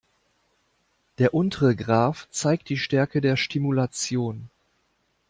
Der untere Graph zeigt die Stärke der Stimulation.